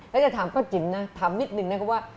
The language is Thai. แล้วจะถามป้าจิ๋มนะถามนิดนึงนะครับว่า